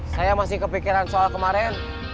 saya masih kepikiran soal kemarin